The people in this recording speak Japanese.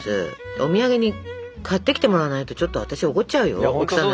お土産に買ってきてもらわないとちょっと私怒っちゃうよ奥さんだったら。